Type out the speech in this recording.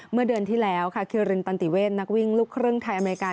เมื่อเดือนที่แล้วค่ะคิรินตันติเวทนักวิ่งลูกครึ่งไทยอเมริกา